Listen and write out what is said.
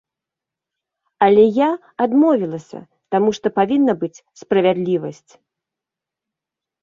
Але я адмовілася, таму што павінна быць справядлівасць.